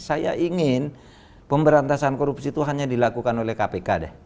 saya ingin pemberantasan korupsi itu hanya dilakukan oleh kami